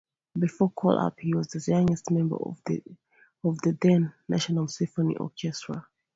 Before call-up he was the youngest member of the then National Symphony Orchestra.